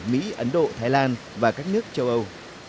mỹ ấn độ thái lan và các nước châu âu